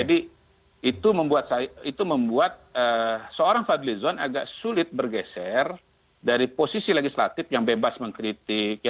jadi itu membuat seorang fadlizon agak sulit bergeser dari posisi legislatif yang bebas mengkritik